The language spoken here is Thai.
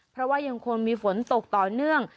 เพราะว่ายังคงมีฝนตกต่อเนื่อง